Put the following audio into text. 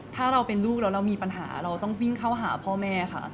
ถ้าเราเป็นลูกแล้วเรามีปัญหาเราต้องวิ่งเข้าหาพ่อแม่ค่ะ